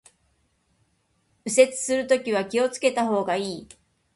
右折するときは気を付けた方がいい